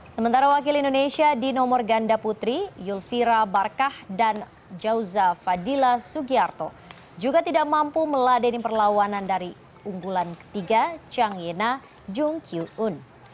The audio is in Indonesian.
sementara wakil indonesia di nomor ganda putri yulvira barkah dan jauza fadila sugiarto juga tidak mampu meladeni perlawanan dari unggulan ketiga chang yena jung kyu un